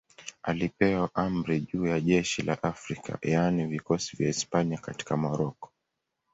Alipewa amri juu ya jeshi la Afrika, yaani vikosi vya Hispania katika Moroko.